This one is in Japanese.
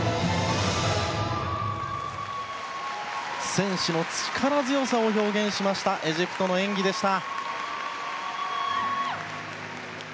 戦士の力強さを表現したエジプトの演技でした。